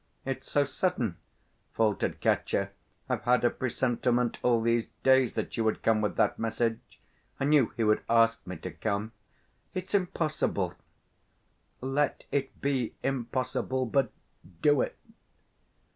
"It's so sudden...." faltered Katya. "I've had a presentiment all these days that you would come with that message. I knew he would ask me to come. It's impossible!" "Let it be impossible, but do it.